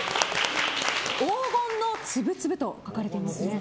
黄金のつぶつぶと書かれていますね。